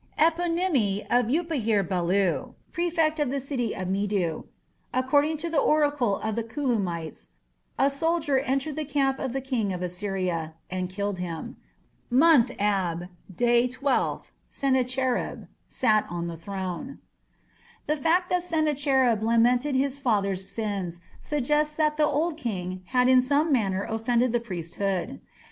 Eponymy of Upahhir belu, prefect of the city of Amedu ... According to the oracle of the Kulummite(s).... A soldier (entered) the camp of the king of Assyria (and killed him?), month Ab, day 12th, Sennacherib (sat on the throne). The fact that Sennacherib lamented his father's sins suggests that the old king had in some manner offended the priesthood.